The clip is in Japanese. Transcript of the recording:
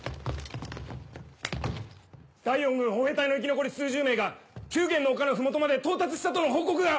第四軍歩兵隊の生き残り数十名が宮元の丘の麓まで到達したとの報告が！